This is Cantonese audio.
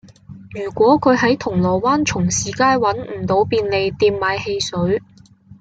如果佢喺銅鑼灣重士街搵唔到便利店買汽水